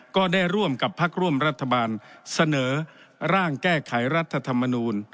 ก็ได้ร่วมกับพักร่วมรัฐบาลเสนอร่างแก้ไขรัฐธรรมนูล